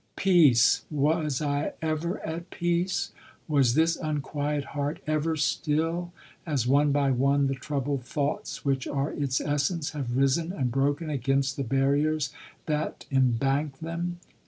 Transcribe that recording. " Peace ! was I ever at peace? ^Vas this unquiet heart ever still, as, one by one, the troubled thoughts which are its essence, have risen and broken against the barriers that embank them